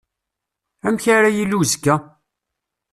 Amek ara yili uzekka?